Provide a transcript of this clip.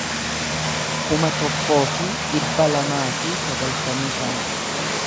kuma tokkoo fi dhibba lamaa fi sagaltamii shan